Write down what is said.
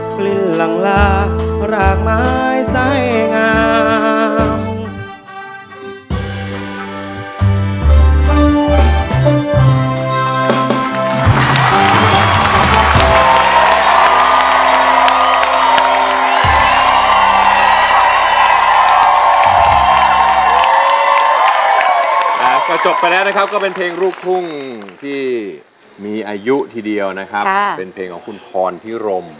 กลิ่นหลังหลากรากไม้ใส่งาม